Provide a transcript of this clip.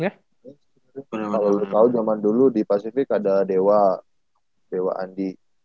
kalau dulu zaman dulu di pasifik ada dewa andi